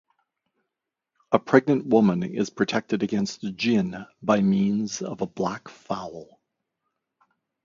A pregnant woman is protected against jinn by means of a black fowl.